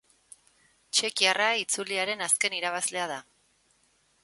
Txekiarra itzuliaren azken irabazlea da.